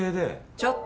ちょっと！